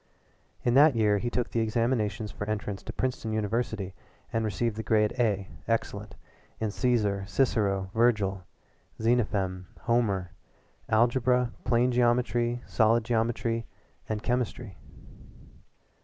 In that year he took the examinations for entrance to Princeton University and received the Grade A excellent in Cæsar, Cicero, Vergil, Xenophon, Homer, Algebra, Plane Geometry, Solid Geometry, and Chemistry.